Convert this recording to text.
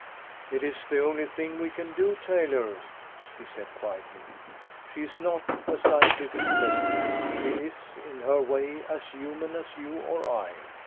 "It is the only thing we can do, Taylor," he said quietly. "She is not a scientific specimen; she is, in her way, as human as you or I.